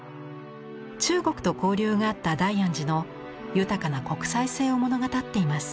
中国と交流があった大安寺の豊かな国際性を物語っています。